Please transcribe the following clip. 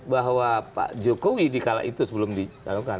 bahwa pak jokowi dikala itu sebelum dikala itu dato' jokowi jokowi jalan